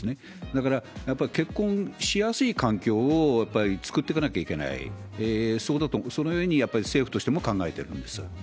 だから、やっぱり結婚しやすい環境をやっぱり作っていかなきゃいけない、そのようにやっぱり政府としても考えてるんです。